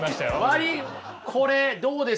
割これどうですか？